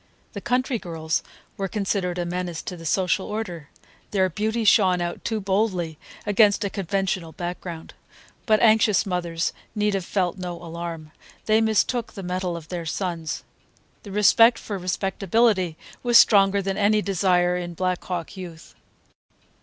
The country girls were considered a menace to the social order. Their beauty shone out too boldly against a conventional background. But anxious mothers need have felt no alarm. They mistook the mettle of their sons. The respect for respectability was stronger than any desire in Black Hawk youth.